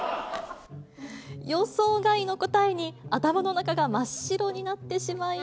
予想外の答えに頭の中が真っ白になってしまい。